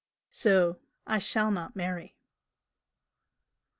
So I shall not marry."